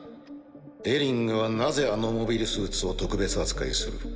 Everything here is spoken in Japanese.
デリングはなぜあのモビルスーツを特別扱いする？